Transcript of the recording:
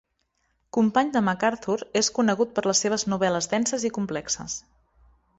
Company de MacArthur, és conegut per les seves novel·les denses i complexes.